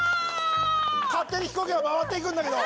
勝手に飛行機が回っていくんだけど！